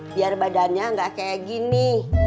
biar badannya nggak kayak gini